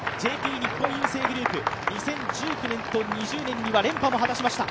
日本郵政グループ、２０１９年と２０年には連覇も果たしました。